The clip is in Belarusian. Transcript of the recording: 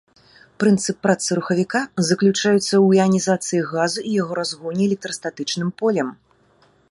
Прынцып працы рухавіка заключаецца ў іанізацыі газу і яго разгоне электрастатычным полем.